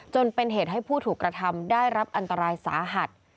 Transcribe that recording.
จนเป็นเหตุให้ผู้ถูกกระทำได้รับอันตรายสาหัส